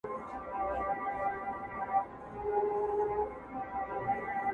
چي باد مي ستا له لاري څخه پلونه تښتوي!!